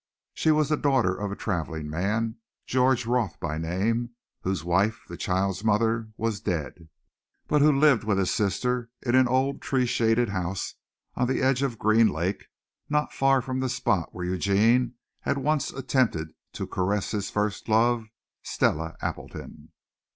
She was the daughter of a traveling man, George Roth by name, whose wife, the child's mother, was dead, but who lived with his sister in an old tree shaded house on the edge of Green Lake not far from the spot where Eugene had once attempted to caress his first love, Stella Appleton.